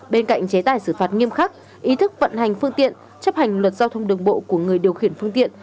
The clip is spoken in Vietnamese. bên cạnh chế tài xử phạt nghiêm khắc ý thức vận hành phương tiện chấp hành luật giao thông đường bộ của người điều khiển phương tiện